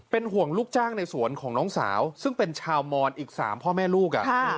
เป็นห่วงลูกจ้างในสวนของน้องสาวซึ่งเป็นชาวมอนอีก๓พ่อแม่ลูก